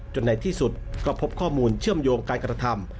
ในที่สุดก็พบข้อมูลเชื่อมโยงการกระทำ